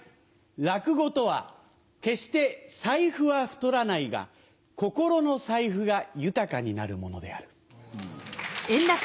落語とは決して財布は太らないが心の財布が豊かになるものである。